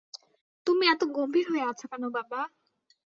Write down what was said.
তুমি এত গম্ভীর হয়ে আছ কেন বাবা?